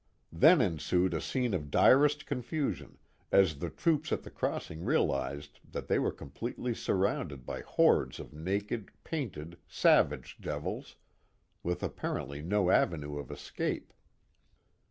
Then ensued a scene of direst confusion, as the troops at the crossing realized that they were completely surrounded by hordes of naked, painted, savage devils, with apparently no avenue of escape.